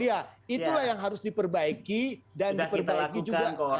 iya itulah yang harus diperbaiki dan diperbaiki juga